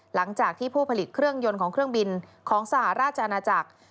หลังจากที่ผู้ผลิตเครื่องยนต์ของเครื่องบินของสหราชอาณาจักร